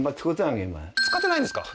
使ってないんですか？